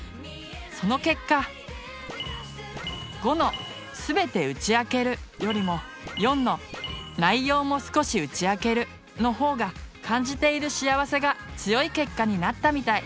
その結果５の「すべて打ち明ける」よりも４の「内容も少し打ち明ける」の方が感じている幸せが強い結果になったみたい。